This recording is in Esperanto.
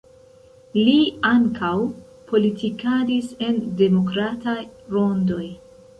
Li ankaŭ politikadis en demokrataj rondoj.